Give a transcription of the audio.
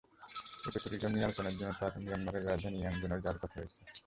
Eco tourism নিয়ে আলোচনার জন্য তার মিয়ানমারের রাজধানী ইয়াঙ্গুনেও যাওয়ার কথা রয়েছে।